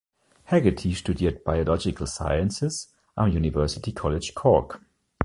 Hegarty studiert Biological Sciences am University College Cork.